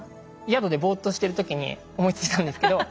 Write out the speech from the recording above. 宿でボーッとしてる時に思いついたんですけど。